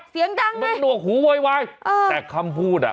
เขียงดังไงมันดวกหูว่ายแต่คำพูดน่ะ